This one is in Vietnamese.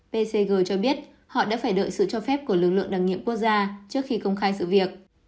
pcg cho biết họ đã phải đợi sự cho phép của lực lượng đặc nhiệm quốc gia trước khi công khai sự việc